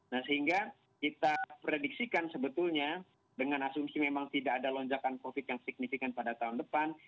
nah sehingga kita prediksikan sebetulnya dengan asumsi memang tidak ada lonjakan covid yang signifikan pada tahun depan